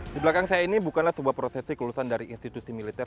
di belakang saya ini bukanlah sebuah prosesi kelulusan dari institusi militer